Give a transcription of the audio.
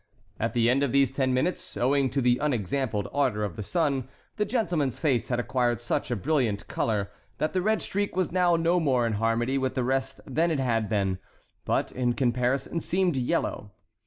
At the end of these ten minutes, owing to the unexampled ardor of the sun, the gentleman's face had acquired such a brilliant color that the red streak was now no more in harmony with the rest than it had been, but in comparison seemed yellow.